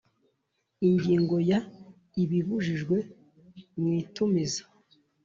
Ingingo ya ibibujijwe mu itumiza